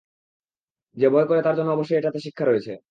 যে ভয় করে তার জন্য অবশ্যই এটাতে শিক্ষা রয়েছে।